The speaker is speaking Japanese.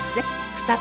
２つ？